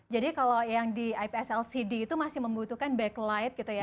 jadi kalau yang di ips lcd itu masih membutuhkan backlight gitu ya